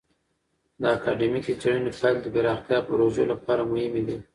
د اکادمیکې څیړنې پایلې د پراختیایي پروژو لپاره مهمې دي.